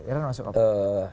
iran masuk opec